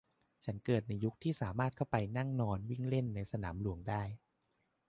ฉันเกิดในยุคที่สามารถเข้าไปนั่งนอนวิ่งเล่นในสนามหลวงได้